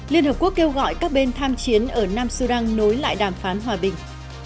liên hợp quốc kêu gọi các bên tham chiến ở nam sura nối lại đàm phán hòa bình